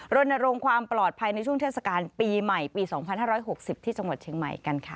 รณรงค์ความปลอดภัยในช่วงเทศกาลปีใหม่ปี๒๕๖๐ที่จังหวัดเชียงใหม่กันค่ะ